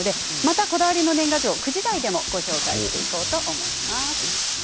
こだわりの年賀状を９時台にもご紹介していこうと思います。